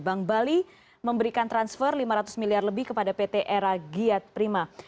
bank bali memberikan transfer lima ratus miliar lebih kepada pt era giat prima